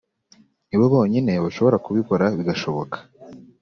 ni bo bonyine bashobora kubikora bigashoboka